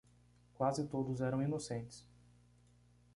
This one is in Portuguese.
Quase todos eram inocentes.